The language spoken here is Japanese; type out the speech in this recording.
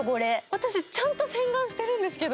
私、ちゃんと洗顔してるんですけど。